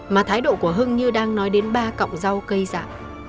mà thái độ của hưng như đang nói đến ba cọng rau cây dạ